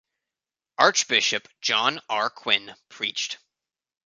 Archbishop John R. Quinn preached.